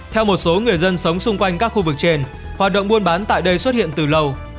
theo một số người dân sống xung quanh các khu vực trên hoạt động buôn bán tại đây xuất hiện từ lâu